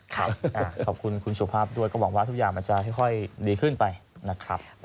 ขอบคุณคุณสุภาพด้วยก็หวังว่าทุกอย่างมันจะค่อยดีขึ้นไปนะครับ